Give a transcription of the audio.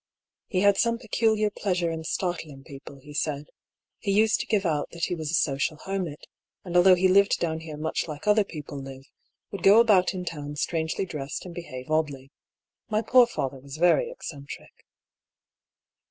^* He had some peculiar pleasure in startling peo ple," he said. " He used to give out that he was a social hermit ; and although he lived down here much like other people live, would go about in town strangely dressed and behave oddly. My poor father was very eccentric."